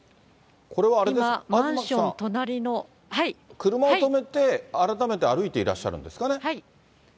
今、これは、車を止めて、改めて歩いていらっしゃるんですかね。